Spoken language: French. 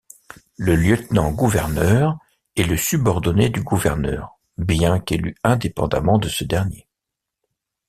Le lieutenant gouverneur est le subordonné du gouverneur bien qu'élu indépendamment de ce dernier.